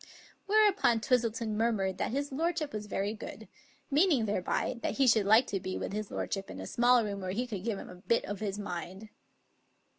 Whereupon Twistleton murmured that his lordship was very good, meaning thereby that he should like to be with his lordship in a small room where he could give him a bit of his mind.